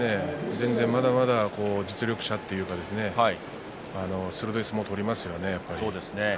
全然まだまだ実力者というか鋭い相撲を取りますよね。